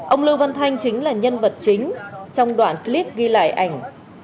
ông lưu văn thanh chính là nhân vật chính trong đoạn clip ghi lại ảnh